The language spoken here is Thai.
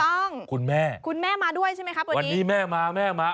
ถูกต้องคุณแม่คุณแม่มาด้วยใช่ไหมครับวันนี้วันนี้แม่มาแม่มา